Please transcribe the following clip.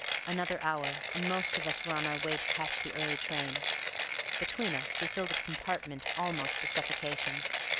Another hour, and most of us were on our way to catch the early train; between us we filled a compartment almost to suffocation.